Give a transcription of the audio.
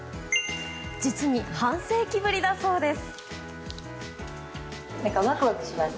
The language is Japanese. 実に半世紀ぶりだそうです。